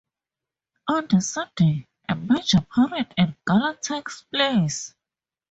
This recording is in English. On the Sunday, a major parade and gala takes place.